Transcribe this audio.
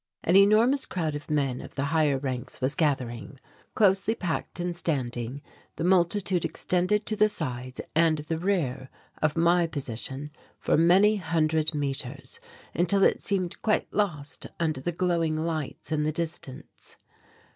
An enormous crowd of men of the higher ranks was gathering. Closely packed and standing, the multitude extended to the sides and the rear of my position for many hundred metres until it seemed quite lost under the glowing lights in the distance.